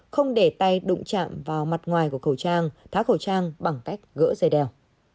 không để tay đụng chạm vào mặt ngoài của khẩu trang tháo khẩu trang bằng cách gỡ dây đèo